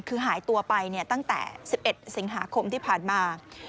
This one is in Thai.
คือหายตัวไปตั้งแต่๑๑สิงหาคมที่ผ่านมา